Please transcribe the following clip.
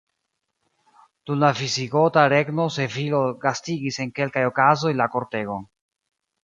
Dum la visigota regno Sevilo gastigis en kelkaj okazoj la kortegon.